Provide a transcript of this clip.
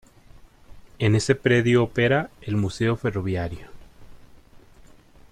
En ese predio opera el Museo Ferroviario.